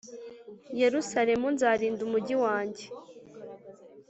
Yerusalemu Nzarinda Umugi Wanjye